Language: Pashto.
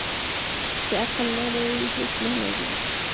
ـ چې عقل نه لري هېڅ نه لري.